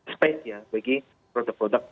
space ya bagi produk produk